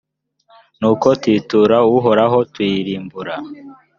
nuko tuyitura uhoraho tuyirimbura